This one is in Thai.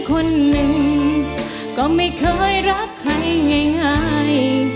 คนหนึ่งก็ไม่เคยรักใครง่าย